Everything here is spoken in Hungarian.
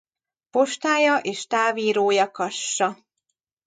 Postája és távirója Kassa.